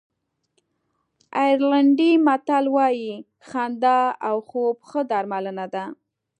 آیرلېنډي متل وایي خندا او خوب ښه درملنه ده.